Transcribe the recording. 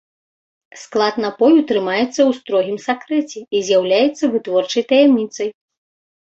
Склад напою трымаецца ў строгім сакрэце і з'яўляецца вытворчай таямніцай.